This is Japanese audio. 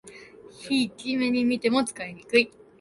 ひいき目にみても使いにくい